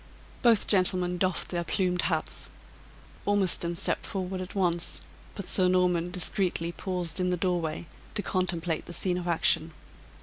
Both gentlemen doffed their plumed hats. Ormiston stepped forward at once; but Sir Norman discreetly paused in the doorway to contemplate the scene of action.